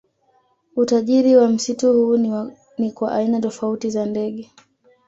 Utajiri wa msitu huu ni kwa aina tofauti za ndege